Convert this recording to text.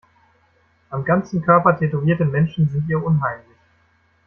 Am ganzen Körper tätowierte Menschen sind ihr unheimlich.